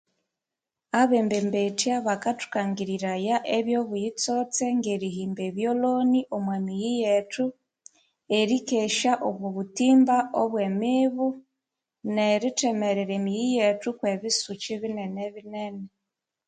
Abembembetya bakathukangiriraya ebyo obuyitsotse ngerihimba ebyoloni omwa miyi yethu, erikesya omwa butimba obwe emibu, nerithemerera emiyi yethu kwe bisukyi binene binene.